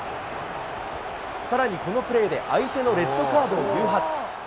さらにこのプレーで相手のレッドカードを誘発。